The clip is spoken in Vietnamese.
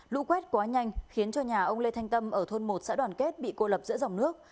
lũ quét quá nhanh khiến cho nhà ông lê thanh tâm ở thôn một xã đoàn kết bị cô lập giữa dòng nước